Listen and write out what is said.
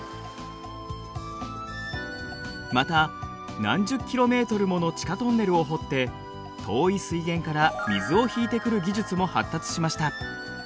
また何十ｋｍもの地下トンネルを掘って遠い水源から水を引いてくる技術も発達しました。